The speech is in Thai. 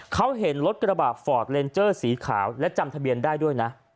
เขาเห็นรถกระบาดฟอร์ดเลนเจอร์สีขาวและจำทะเบียนได้ด้วยนะ